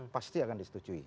pasti akan disetujui